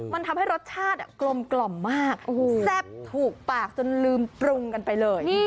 มันทำให้รสชาติกลมมากแซ่บถูกปากจนลืมปรุงกันไปเลย